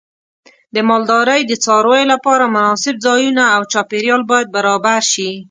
د مالدارۍ د څارویو لپاره مناسب ځایونه او چاپیریال باید برابر شي.